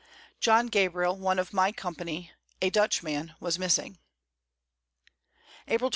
John Gabriel, one of my Company, a Dutch man was missing. _April 28.